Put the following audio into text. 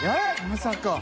まさか。